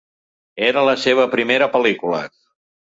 Era la seva primera pel·lícula.